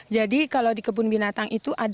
jadi kalau di kebun binatang itu ada